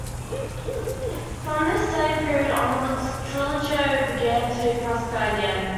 From this same period onwards Trujillo began to prosper again.